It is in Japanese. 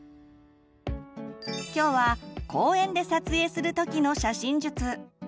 今日は公園で撮影する時の写真術。